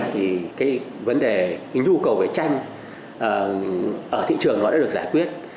thì cái vấn đề cái nhu cầu về tranh ở thị trường nó đã được giải quyết